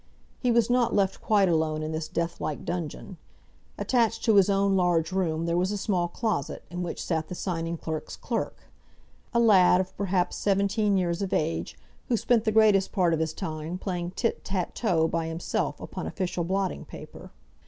He was not left quite alone in this deathlike dungeon. Attached to his own large room there was a small closet, in which sat the signing clerk's clerk, a lad of perhaps seventeen years of age, who spent the greatest part of his time playing tit tat to by himself upon official blotting paper.